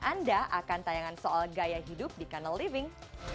anda akan tayangan soal gaya hidup di kanal living